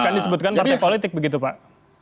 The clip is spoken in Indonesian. bukan disebutkan partai politik begitu pak